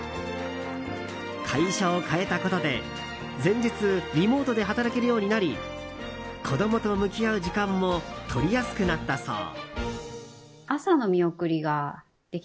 会社を変えたことで全日リモートで働けるようになり子供と向き合う時間も取りやすくなったそう。